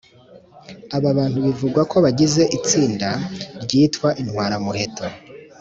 aba bantu bivugwa ko bagize itsinda ryitwa intwaramuheto